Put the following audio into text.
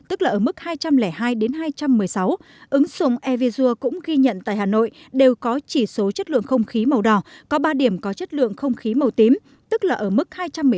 hai trăm linh hai hai trăm một mươi sáu ứng dụng e visua cũng ghi nhận tại hà nội đều có chỉ số chất lượng không khí màu đỏ có ba điểm có chất lượng không khí màu tím tức là ở mức hai trăm một mươi ba hai trăm ba mươi một